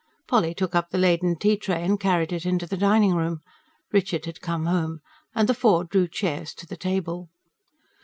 Polly took up the laden tea tray and carried it into the dining room. Richard had come home, and the four drew chairs to the table.